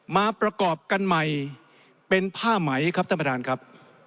มาประกอบกันใหม่เป็นผ้าไหมครับท่านประธานครับ